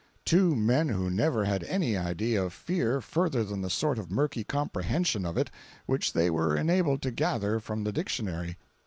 —two men who never had any idea of fear further than the sort of murky comprehension of it which they were enabled to gather from the dictionary.